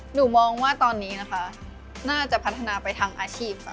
หนูมองว่าตอนนี้นะคะน่าจะพัฒนาไปทางอาชีพค่ะ